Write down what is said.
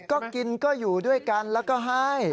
ก็กินก็อยู่ด้วยกันแล้วก็ให้